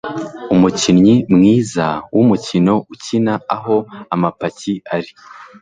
Umukinnyi mwiza wumukino ukina aho amapaki ari.